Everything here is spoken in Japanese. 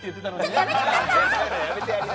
やめてください！